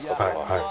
はい。